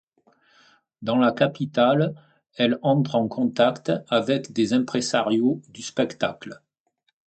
Dans la capitale, elle entre en contact avec des imprésarios du spectacle.